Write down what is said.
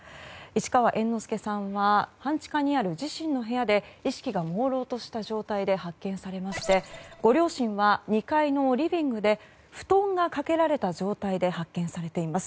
市川猿之助さんは半地下にある自身の部屋で意識がもうろうとした状態で発見されましてご両親は２階のリビングで布団がかけられた状態で発見されています。